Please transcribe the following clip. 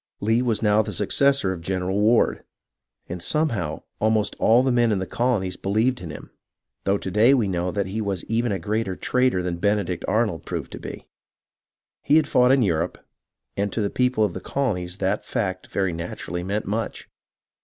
Lee was now the successor of General Ward, and some how almost all the men in the colonies believed in him, though to day we know that he was even a greater traitor than Benedict Arnold proved to be. He had fought in Europe, and to the people of the colonies that fact very naturally meant much.